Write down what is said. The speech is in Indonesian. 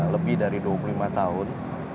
lebih dari dua puluh lima tahun